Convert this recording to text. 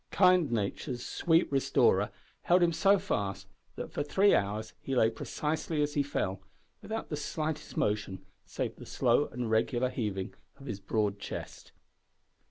"Kind nature's sweet restorer" held him so fast, that for three hours he lay precisely as he fell, without the slightest motion, save the slow and regular heaving of his broad chest.